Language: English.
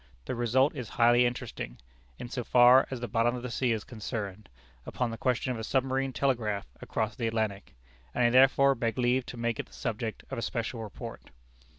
The result is highly interesting, in so far as the bottom of the sea is concerned, upon the question of a submarine telegraph across the Atlantic; and I therefore beg leave to make it the subject of a special report.